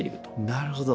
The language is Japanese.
なるほど。